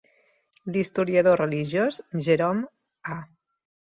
L'historiador religiós Jerome A.